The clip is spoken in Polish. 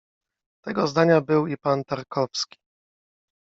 Tego zdania był i pan Tarkowski.